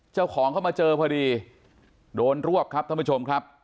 เจ้าของเข้ามาเจอพอดีโดนรวบครับท่านผู้ชมครับ